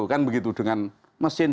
kan begitu dengan mesin